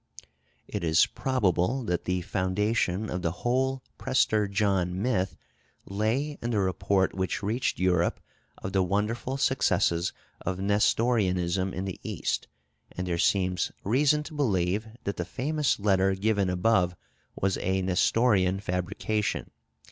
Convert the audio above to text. It is probable that the foundation of the whole Prester John myth lay in the report which reached Europe of the wonderful successes of Nestorianism in the East, and there seems reason to believe that the famous letter given above was a Nestorian fabrication.